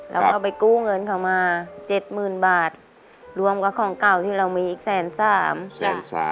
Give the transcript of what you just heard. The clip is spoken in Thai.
แล้วก็ไปกู้เงินเขามาเจ็ดหมื่นบาทรวมกับของเก่าที่เรามีอีกแสนสามใช่